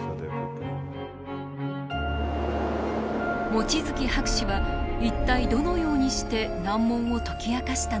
望月博士は一体どのようにして難問を解き明かしたのか。